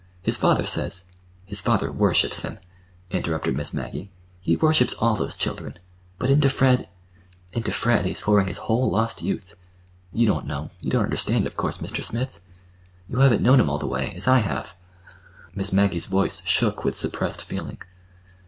His father says—" "His father worships him," interrupted Miss Maggie. "He worships all those children. But into Fred—into Fred he's pouring his whole lost youth. You don't know. You don't understand, of course, Mr. Smith. You haven't known him all the way, as I have." Miss Maggie's voice shook with suppressed feeling.